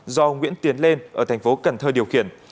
do nguyễn tiến lên ở thành phố cần thơ điều khiển